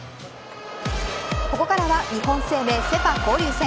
ここからは日本生命セ・パ交流戦。